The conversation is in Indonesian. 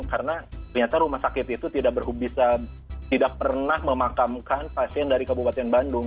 karena ternyata rumah sakit itu tidak bisa tidak pernah memakamkan pasien dari kabupaten bandung